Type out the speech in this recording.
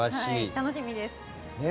楽しみです。